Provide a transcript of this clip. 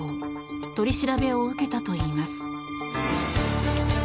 取り調べを受けたといいます。